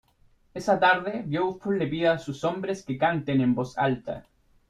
Esa tarde, Beowulf le pide a sus hombres que canten en voz alta.